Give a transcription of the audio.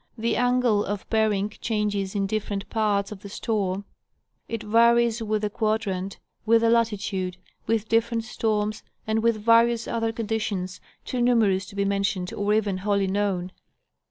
The angle of bearing changes in different parts of the storm, it varies with the quadrant, with the latitude, with different storms, and with various other conditions, too numerous to be mentioned or even wholly known.